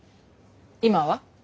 今は？